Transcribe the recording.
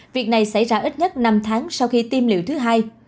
việc này xảy ra ít nhất năm tháng sau khi tiêm liều thứ hai